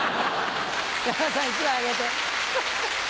山田さん１枚あげて。